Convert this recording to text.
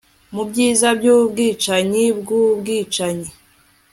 Mubyiza byubwicanyi bwubwicanyi